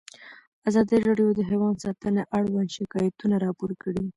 ازادي راډیو د حیوان ساتنه اړوند شکایتونه راپور کړي.